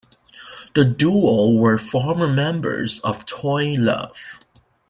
The duo were former members of Toy Love.